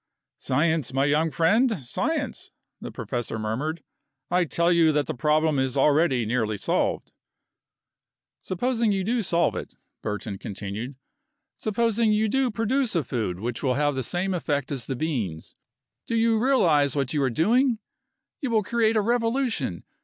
"Science, my young friend science," the professor murmured. "I tell you that the problem is already nearly solved." "Supposing you do solve it," Burton continued, "supposing you do produce a food which will have the same effect as the beans, do you realize what you are doing? You will create a revolution.